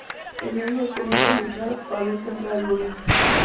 En ella, comienzan a luchar, para encontrar a Luna.